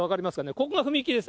ここが踏切です。